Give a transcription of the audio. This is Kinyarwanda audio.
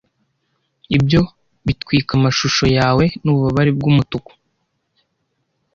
Ibyo bitwika amashusho yawe nububabare bwumutuku.